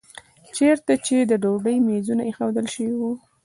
چېرته چې د ډوډۍ میزونه ایښودل شوي وو.